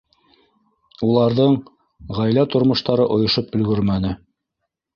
Уларҙың, ғаилә тормоштары ойошоп өлгөрмәне.